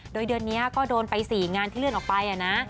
โดยเดือนนี้ก็โดนไป๔งานที่เลื่อนออกไปนะ